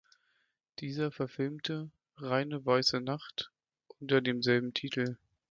Dieser verfilmte "Reine weiße Nacht" unter demselben Titel.